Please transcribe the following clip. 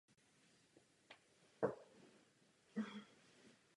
Za normálních okolností většinou celý proces netrvá déle než půl hodiny.